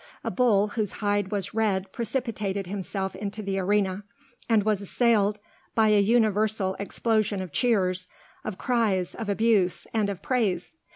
A bull whose hide was red precipitated himself into the arena, and was assailed by a universal explosion of cheers, of cries, of abuse, and of praise.